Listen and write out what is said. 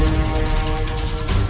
tidak ada yang bisa dihukum